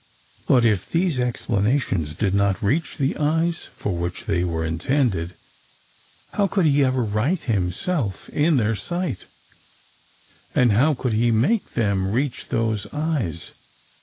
But if these explanations did not reach the eyes for which they were intended, how could he ever right himself in their 387 388 ORDER NO. 11 sight? And how could he make them reach those eyes?